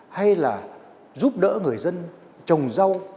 hay là giúp đỡ người dân trồng rau